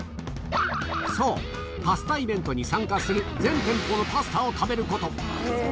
そう、パスタイベントに参加する全店舗のパスタを食べること。